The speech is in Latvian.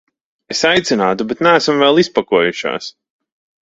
Es aicinātu, bet neesam vēl izpakojušās.